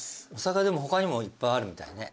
他にもいっぱいあるみたいね。